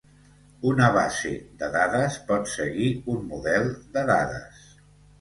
Una base de dades pot seguir un model de dades.